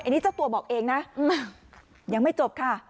อันนี้เจ้าตัวบอกเองนะยังไม่จบค่ะ